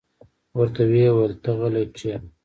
ورته ویې ویل: ته غلې کېنه.